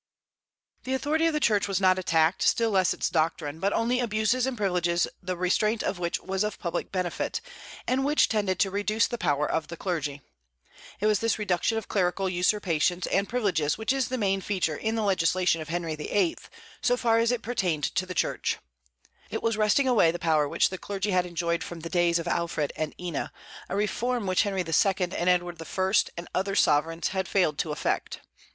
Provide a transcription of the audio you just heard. The authority of the Church was not attacked, still less its doctrines, but only abuses and privileges the restraint of which was of public benefit, and which tended to reduce the power of the clergy. It was this reduction of clerical usurpations and privileges which is the main feature in the legislation of Henry VIII., so far as it pertained to the Church. It was wresting away the power which the clergy had enjoyed from the days of Alfred and Ina, a reform which Henry II. and Edward I., and other sovereigns, had failed to effect.